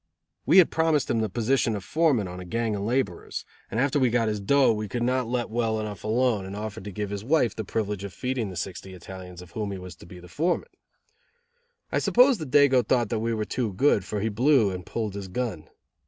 We had promised him the position of foreman of a gang of laborers, and after we got his dough we could not let well enough alone, and offered to give his wife the privilege of feeding the sixty Italians of whom he was to be the foreman. I suppose the dago thought that we were too good, for he blew and pulled his gun.